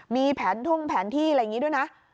มีแผนท่งแผนที่อะไรอย่างนี้ด้วยนะ